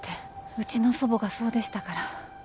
うちの祖母がそうでしたから。